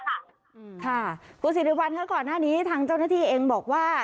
ค่ะคุณสิริวัลค่ะก่อนหน้านี้ทางเจ้าหน้าที่เองบอกว่า